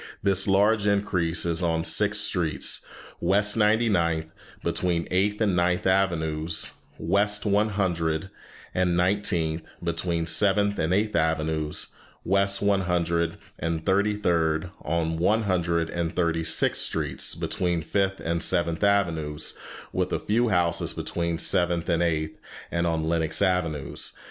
This large increase is on six streets, West Ninety ninth, between Eighth and Ninth Avenues, West One Hundred and Nineteenth, between Seventh and Eighth Avenues, and West One Hundred and Thirty third to One Hundred and Thirty sixth Streets, between Fifth and Seventh Avenues, with a few houses between Seventh and Eighth, and on Lenox Avenues.